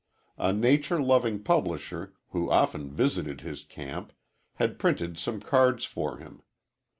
A nature loving publisher, who often visited his camp, had printed some cards for him.